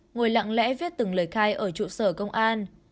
ngồi lặng lẽ viết từng lời khai ở trụ sở công an